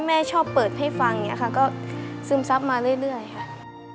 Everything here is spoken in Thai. แม่ชอบเปิดให้ฟังอย่างนี้ค่ะก็ซึมซับมาเรื่อยค่ะ